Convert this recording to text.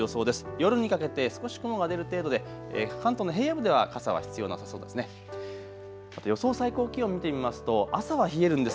夜にかけて少し雲が出る程度で関東の平野部では傘は必要なさそうです。